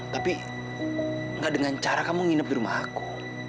tapi gak dengan cara kamu nginep di rumah aku